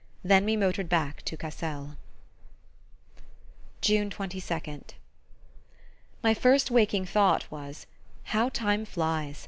Then we motored back to Cassel. June 22nd. My first waking thought was: "How time flies!